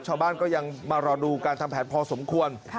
ชาวบ้านก็ยังมารอดูการทำแผนพอสมควร